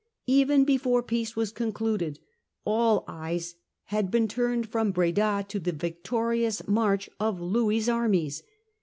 Even before peace was concluded, all eyes had been turned from Breda to the victorious march of Louis's armies.